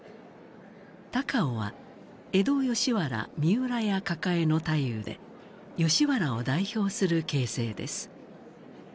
高尾は江戸吉原三浦屋抱えの太夫で吉原を代表する傾城です。